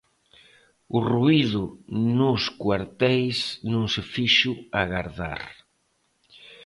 O ruído nos cuarteis non se fixo agardar.